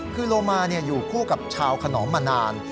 คือโลมาอยู่คู่กับชาวขนอมมานาน